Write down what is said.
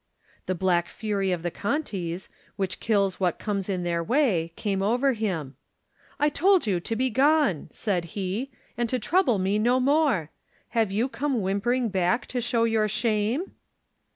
"The black fury of the Contis, which kills what comes in their way, came over him. "^I told you to begone,' said he, *and to trouble me no more. Have you come whim pering back to show your shame?'